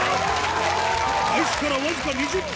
開始からわずか２０分